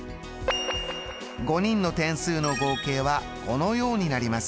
５人の点数の合計はこのようになります。